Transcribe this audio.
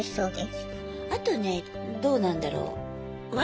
あとねどうなんだろう。笑